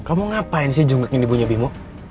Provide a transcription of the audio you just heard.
kamu ngapain sih junggak ini ibunya bimo